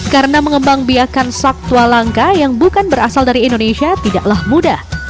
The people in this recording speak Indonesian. karena mengembang biakan satwa langka yang bukan berasal dari indonesia tidaklah mudah